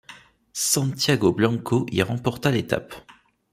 Santiago Blanco y remporta l'étape.